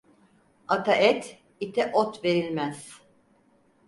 Ata et, ite ot verilmez.